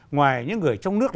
ngoài những người trong nước